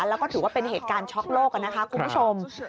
แล้วก็ถือว่าเป็นเหตุการณ์ช็อกโลกนะคะคุณผู้ชม